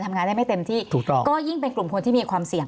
ทำงานได้ไม่เต็มที่ถูกต้องก็ยิ่งเป็นกลุ่มคนที่มีความเสี่ยง